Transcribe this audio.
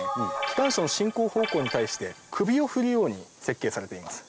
機関車の進行方向に対して首を振るように設計されています。